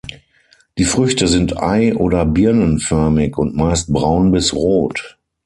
Die Früchte sind ei- oder birnenförmig und meist braun bis rot.